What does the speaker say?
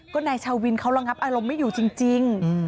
ก็นายชาววินเขาระงับอารมณ์ไม่อยู่จริง